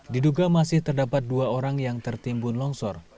diduga masih terdapat dua orang yang tertimbun longsor